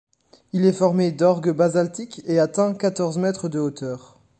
Il est formé d'orgues basaltiques et atteint quatorze mètres de hauteur.